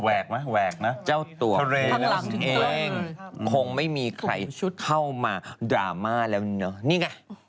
แวกมั้ยแวกนะทะเลเนี่ยคงไม่มีใครเข้ามาดราม่าแล้วเนอะนี่ไง